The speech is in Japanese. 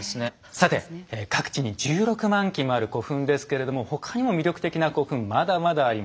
さて各地に１６万基もある古墳ですけれども他にも魅力的な古墳まだまだあります。